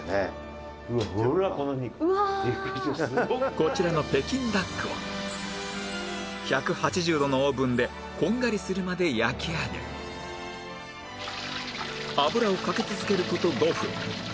こちらの北京ダックは１８０度のオーブンでこんがりするまで焼き上げ油をかけ続ける事５分